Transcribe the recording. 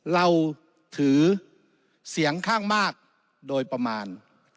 เราถือเสียงข้างมากโดยประมาณ